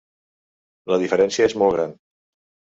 La diferència és molt gran.